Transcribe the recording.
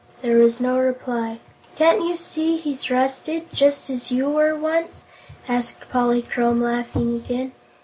There was no reply "Can't you see he's rusted, just as you were once?" asked Polychrome, laughing again.